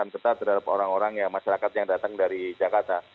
yang tetap terhadap orang orang yang masyarakat yang datang dari jakarta